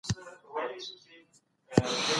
افغانستان د خلکو پر ضد له بېلابېلو خواوو